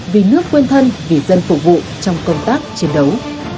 vì nước quên thân vì dân phục vụ trong công tác chiến đấu